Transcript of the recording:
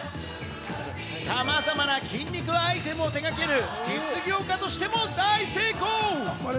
さまざまな筋肉アイテムを手掛ける実業家としても大成功。